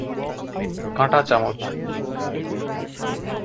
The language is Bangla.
কাঁটা চামচ